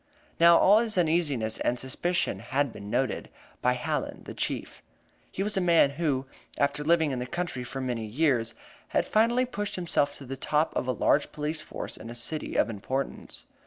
Now all this uneasiness and suspicion had been noted by Hallen, the Chief. He was a man who, after living in the country for many years, had finally pushed himself to the top of a large police force in a city of importance.